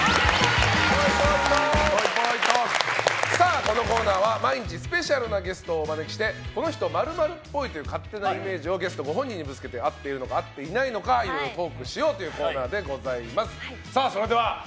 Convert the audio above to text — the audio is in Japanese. このコーナーは毎日スペシャルなゲストをお招きしてこの人○○っぽいという勝手なイメージをゲストご本人にぶつけてあってるのかあっていないのか、いろいろトークしようというコーナーでございます。